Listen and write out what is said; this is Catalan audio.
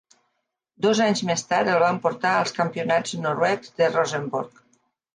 Dos anys més tard el van portar als campionats noruecs de Rosenborg.